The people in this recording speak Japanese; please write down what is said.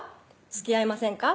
つきあいませんか？」